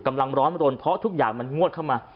ร้อนรนเพราะทุกอย่างมันงวดเข้ามา